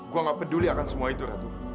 gue gak peduli akan semua itu ratu